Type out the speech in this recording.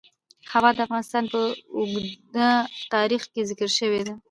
هوا د افغانستان په اوږده تاریخ کې ذکر شوی دی.